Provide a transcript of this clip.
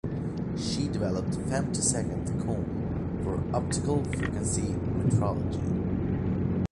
She developed femtosecond combs for optical frequency metrology.